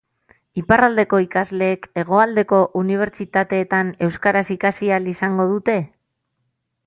Iparraldeko ikasleek hegoaldeko unibertsitateetan euskaraz ikasi ahal izango dute?